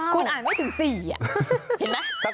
คุณอ่านไม่ถึง๔อ่ะ